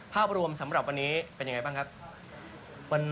ภาพรวมสำหรับวันนี้เป็นยังไงบ้างครับ